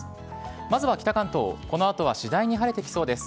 まずは北関東、このあとは次第に晴れてきそうです。